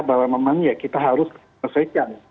bahwa memang ya kita harus selesaikan